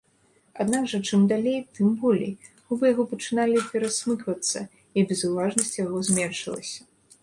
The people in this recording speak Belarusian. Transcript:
Аднак жа, чым далей, тым болей, губы яго пачыналі перасмыквацца, і безуважнасць яго зменшылася.